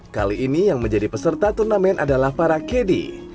kali ini yang menjadi peserta turnamen adalah para kd